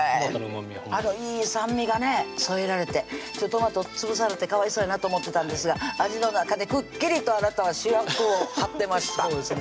あのいい酸味がね添えられてトマト潰されてかわいそうやなと思ってたんですが味の中でくっきりとあなたは主役を張ってましたそうですね